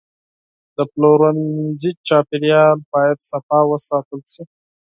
د پلورنځي چاپیریال باید پاک وساتل شي.